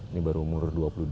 ini baru umur dua puluh dua